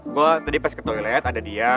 gue tadi pas ke toilet ada dia